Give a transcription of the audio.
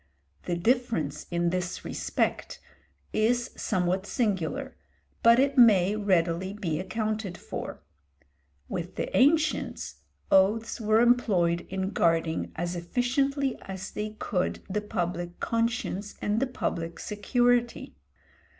The difference in this respect is somewhat singular, but it may readily be accounted for. With the ancients, oaths were employed in guarding as efficiently as they could the public conscience and the public security.